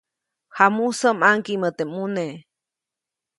Jamusä ʼmaŋgiʼmä teʼ ʼmune.